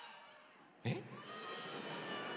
えっ。